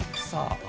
さあ。